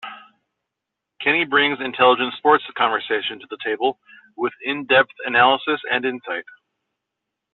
Kenny brings intelligent sports conversation to the table, with in-depth analysis and insight.